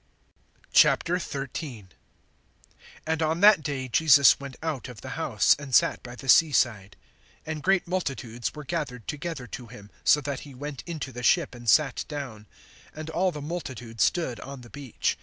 XIII. AND on that day Jesus went out of the house, and sat by the sea side. (2)And great multitudes were gathered together to him, so that he went into the ship and sat down; and all the multitude stood on the beach.